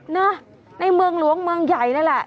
นะในเมืองหลวงเมืองใหญ่นั่นแหละ